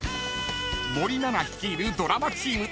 ［森七菜率いるドラマチーム］